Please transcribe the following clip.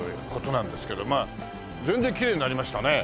全然きれいになりましたね。